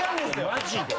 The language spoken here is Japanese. マジで。